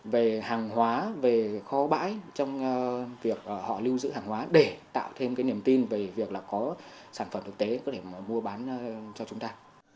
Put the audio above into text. về hàng hóa về kho bãi trong việc họ lưu giữ hàng hóa để tạo thêm niềm tin về việc có sản phẩm thực tế để mua bán cho chúng ta